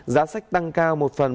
giá sách tăng cao một phần